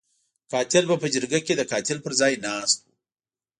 قاتل به په جرګه کې د قاتل پر ځای ناست وو.